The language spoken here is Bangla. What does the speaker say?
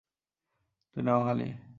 তুই না বাংগালী?